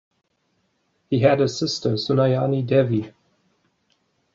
He had a sister, Sunayani Devi.